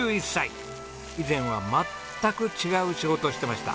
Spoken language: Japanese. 以前は全く違う仕事をしてました。